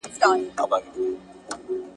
کېدای سي استاد د شاګرد موضوع بدله کړي.